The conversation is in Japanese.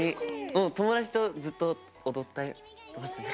友達とずっと踊ってますね。